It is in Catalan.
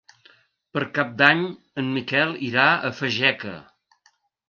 Per Cap d'Any en Miquel irà a Fageca.